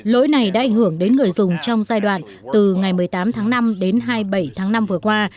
lỗi này đã ảnh hưởng đến người dùng trong giai đoạn từ ngày một mươi tám tháng năm đến hai mươi bảy tháng năm vừa qua